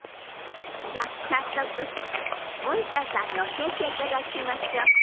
じゃあ早速森田さんに教えていただきましょう。